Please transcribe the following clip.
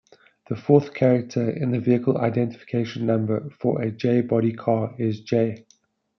The fourth character in the Vehicle Identification Number for a J-body car is "J".